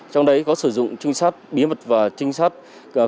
trong đấy có sử dụng trinh sát bí mật và trinh sát cơ hội